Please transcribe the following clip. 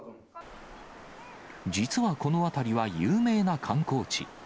実はこの辺りは有名な観光地。